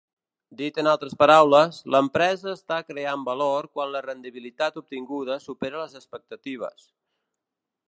Dit en altres paraules, l'empresa està creant valor quan la rendibilitat obtinguda supera les expectatives.